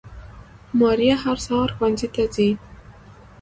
ماريه هر سهار ښوونځي ته ځي